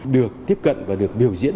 được tiếp cận và được biểu diễn